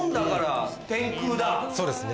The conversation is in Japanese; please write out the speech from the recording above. そうですね。